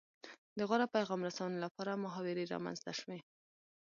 د غوره پیغام رسونې لپاره محاورې رامنځته شوې